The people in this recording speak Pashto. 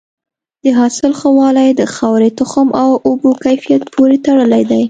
د حاصل ښه والی د خاورې، تخم او اوبو کیفیت پورې تړلی دی.